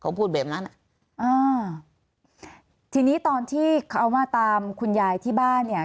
เขาพูดแบบนั้นอ่ะอ่าทีนี้ตอนที่เขามาตามคุณยายที่บ้านเนี่ย